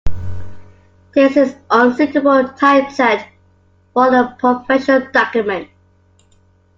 This is an unsuitable typeset for a professional document.